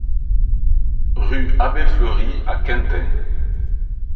Rue Abbé Fleury à Quintin